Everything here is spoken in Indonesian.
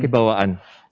sehebat apapun pak relangga